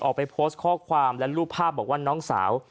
ออกไปโพสต์ข้อความและรูปภาพบอกว่าน้องสาว